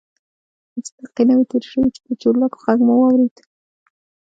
پنځه دقیقې نه وې تېرې شوې چې د چورلکې غږ مو واورېد.